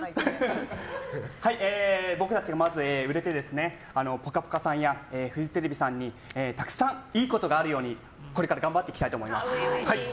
僕たちがまず売れて「ぽかぽか」さんやフジテレビさんにたくさん、いいことがあるようにこれから頑張っていきたいと思います。